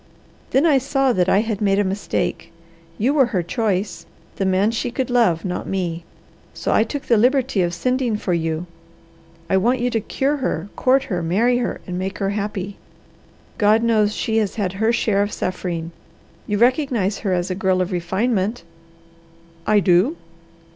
Then I saw that I had made a mistake. You were her choice, the man she could love, not me, so I took the liberty of sending for you. I want you to cure her, court her, marry her, and make her happy. God knows she has had her share of suffering. You recognize her as a girl of refinement?" "I do."